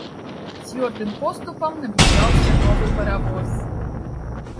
Цвёрдым поступам набліжаўся новы паравоз.